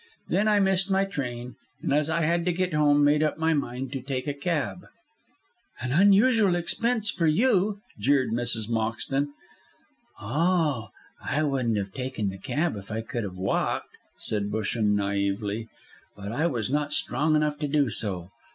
Then I missed my train, and as I had to get home, made up my mind to take a cab." "An unusual expense for you," jeered Mrs. Moxton. "Oh, I wouldn't have taken the cab if I could have walked," said Busham, naïvely, "but I was not strong enough to do so.